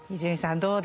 どうですか